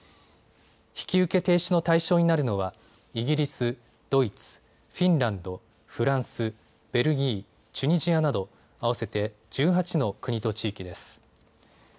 引き受け停止の対象になるのはイギリス、ドイツ、フィンランド、フランス、ベルギー、チュニジアなど合わせて１８の国と地域です。